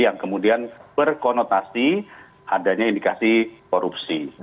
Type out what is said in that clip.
yang kemudian berkonotasi adanya indikasi korupsi